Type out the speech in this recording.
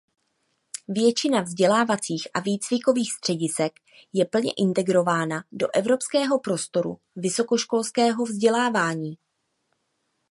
Většina vzdělávacích a výcvikových středisek je plně integrována do Evropského prostoru vysokoškolského vzdělávání.